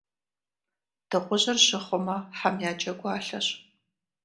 Дыгъужьыр жьы хъумэ, хьэм я джэгуалъэщ.